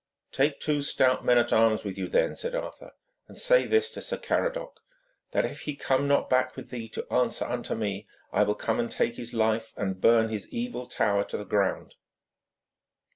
'Take two stout men at arms with you, then,' said Arthur, 'and say to this Sir Caradoc that if he come not back with thee to answer unto me, I will come and take his life and burn his evil tower to the ground.'